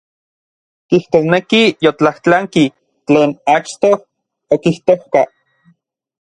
Kijtosneki yotlajtlanki tlen achtoj okijtojka.